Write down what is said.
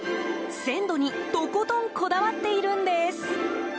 鮮度にとことんこだわっているんです。